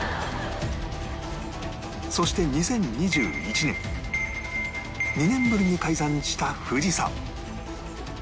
そして２０２１年２年ぶりに開山した富士山